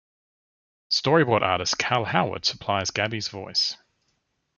Storyboard artist Cal Howard supplies Gabby's voice.